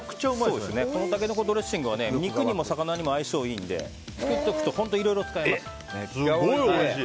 このタケノコドレッシングは肉にも魚にも相性がいいので作っておくとすごいおいしい。